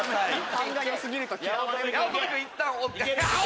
勘が良過ぎると嫌われる。